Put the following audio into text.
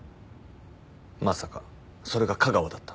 まさかそれが架川だった？